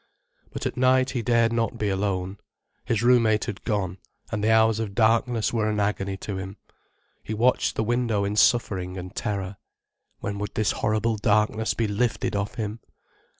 But at night he dared not be alone. His room mate had gone, and the hours of darkness were an agony to him. He watched the window in suffering and terror. When would this horrible darkness be lifted off him?